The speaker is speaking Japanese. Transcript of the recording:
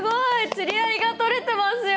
釣り合いが取れてますよ！